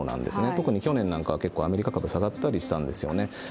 特に去年なんかは結構アメリカ株、下がったりしたんですよね。